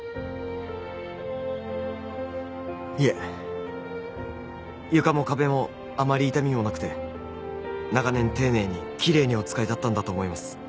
いえ床も壁もあまり傷みもなくて長年丁寧にきれいにお使いだったんだと思います。